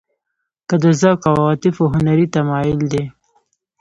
که د ذوق او عواطفو هنري تمایل دی.